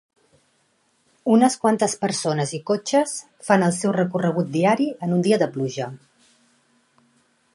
Unes quantes persones i cotxes fan el seu recorregut diari en un dia de pluja.